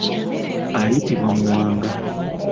Ayitibwa Muwanga.